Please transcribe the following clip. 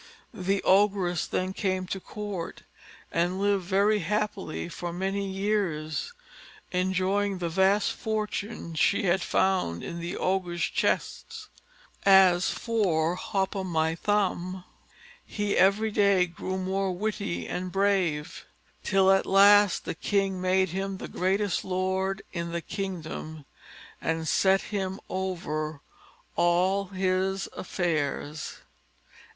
The Ogress then came to court, and lived very happily for many years, enjoying the vast fortune she had found in the Ogre's chests. As for Hop o' my thumb, he every day grew more witty and brave; till at last the king made him the greatest lord in the kingdom, and set him over all his affairs.